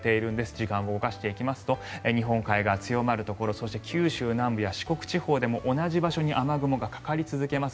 時間を動かしていきますと日本海側、強まるところそして九州南部や四国地方でも同じところに雨雲がかかり続けます。